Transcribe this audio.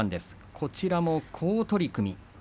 こちらも好取組。